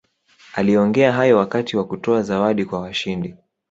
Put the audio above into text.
aliongea hayo wakati wa kutoa zawadi kwa washindi